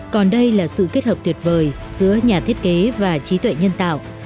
còn đây là sự kết hợp tuyệt vời giữa nhà thiết kế và trí tuệ nhân tạo